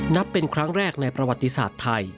นับเป็นครั้งแรกในประวัติศาสตร์ไทย